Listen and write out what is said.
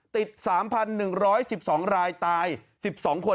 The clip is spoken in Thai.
ติด๓๑๑๒รายตาย๑๒คน